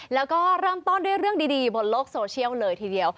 แล้วก็เริ่มต้นด้วยเรื่องดีบนโลกโซเชียลเลยทีเดียว